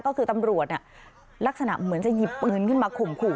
ก็คือตำรวจลักษณะเหมือนจะหยิบปืนขึ้นมาข่มขู่